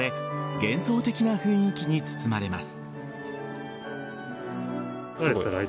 幻想的な雰囲気に包まれます。